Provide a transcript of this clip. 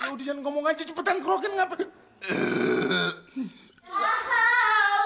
kalau dia ngomong aja cepetan ngorokin ngapain